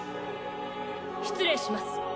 失礼します